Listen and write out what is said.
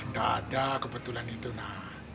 nggak ada kebetulan itu nak